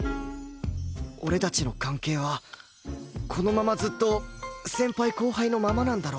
俺たちの関係はこのままずっと先輩後輩のままなんだろうか